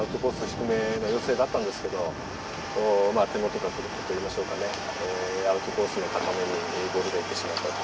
低めの要請だったんですけどまあ手元が狂ったといいましょうかねアウトコースの高めにいいボールが行ってしまったと。